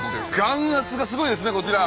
眼圧がすごいですねこちら！